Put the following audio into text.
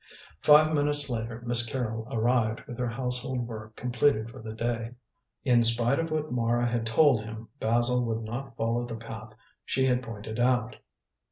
Five minutes later Miss Carrol arrived, with her household work completed for the day. In spite of what Mara had told him, Basil would not follow the path she had pointed out.